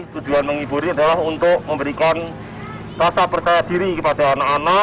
tujuan menghiburnya adalah untuk memberikan rasa percaya diri kepada anak anak